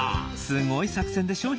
すごい作戦でしょ？